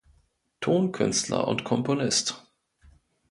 Tonkünstler und Komponist.